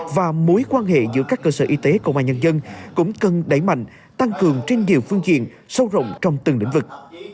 và mối quan hệ giữa các cơ sở y tế công an nhân dân cũng cần đẩy mạnh tăng cường trên nhiều phương diện sâu rộng trong từng lĩnh vực